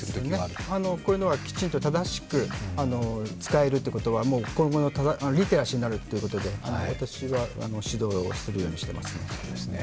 そうですね、こういうのがきちんと正しく使えるってのは今後のリテラシーになるということで私は指導をするようにしています。